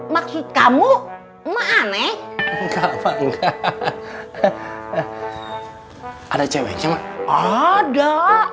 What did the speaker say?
maksud kamu enggak ada ceweknya ada